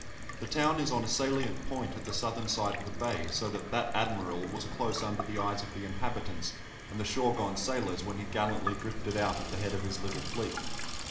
The town is on a salient point at the southern side of the bay, so that "that Admiral" was close under the eyes of the inhabitants and the shore gone sailors when he gallantly drifted out at the head of his little fleet.